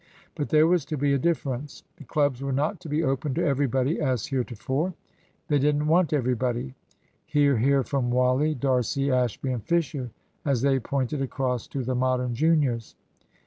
But there was to be a difference. The clubs were not to be open to everybody, as heretofore. They didn't want everybody. (Hear, hear, from Wally, D'Arcy, Ashby, and Fisher, as they pointed across to the Modern juniors.)